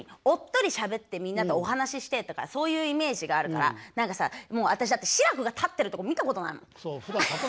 おっとりしゃべってみんなとお話ししてとかそういうイメージがあるから何かさもう私だって志らくが立ってるとこ見たことないもん。